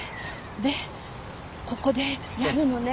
でここでやるのね？